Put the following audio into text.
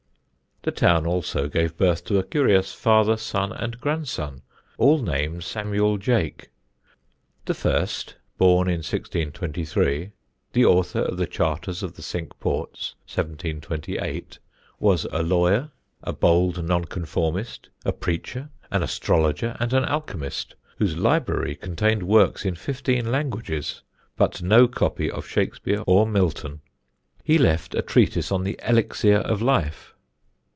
The town also gave birth to a curious father, son, and grandson, all named Samuel Jeake. The first, born in 1623, the author of "The Charters of the Cinque Ports," 1728, was a lawyer, a bold Nonconformist, a preacher, an astrologer and an alchemist, whose library contained works in fifteen languages but no copy of Shakespeare or Milton. He left a treatise on the Elixir of Life.